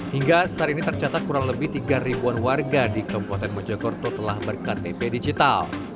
hingga saat ini tercatat kurang lebih tiga ribuan warga di kabupaten mojokerto telah berktp digital